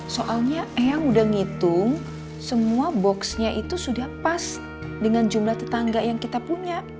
soalnya eyang udah ngitung semua boxnya itu sudah pas dengan jumlah tetangga yang kita punya